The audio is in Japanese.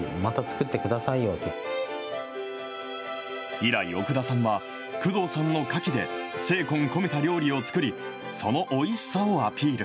以来、奥田さんは工藤さんのかきで、精魂込めた料理を作り、そのおいしさをアピール。